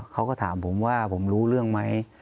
เขาก็ถามผมว่าผมรู้เรื่องไหม